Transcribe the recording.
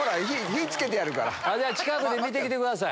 近くで見て来てください。